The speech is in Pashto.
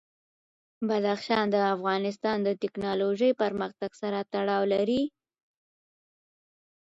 بدخشان د افغانستان د تکنالوژۍ پرمختګ سره تړاو لري.